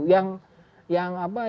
dari masyarakat begitu